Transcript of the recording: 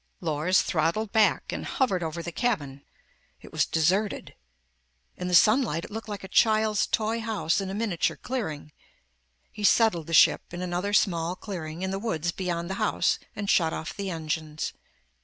Lors throttled back and hovered over the cabin. It was deserted. In the sunlight, it looked like a child's toy house in a miniature clearing. He settled the ship in another small clearing, in the woods beyond the house and shut off the engines.